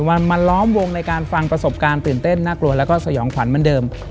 มาล้อมวงในการฟังประสบการณ์ตื่นเต้นน่ากลัวแล้วก็สยองขวัญเหมือนเดิม